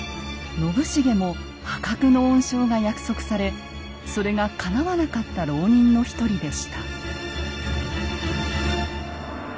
信繁も破格の恩賞が約束されそれがかなわなかった牢人の一人でした。